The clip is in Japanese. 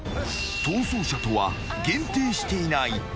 ［逃走者とは限定していない］